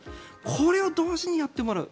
これを同時にやってもらう。